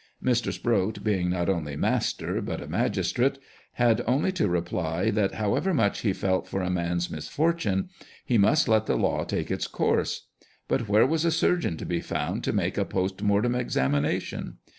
Mr. Sproat, being not only master, but a magistrate, had only to reply that however much he felt for the man's misfortune, he must let the law take its course. But where was a surgeon to be found, to make a post mor tem examination